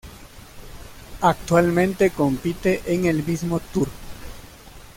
Actualmente compite en el mismo tour.